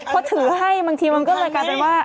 พอถือให้บางทีมันก็เลยกลายเป็นว่า